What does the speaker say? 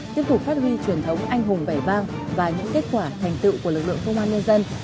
tiếp tục phát huy truyền thống anh hùng vẻ vang và những kết quả thành tựu của lực lượng công an nhân dân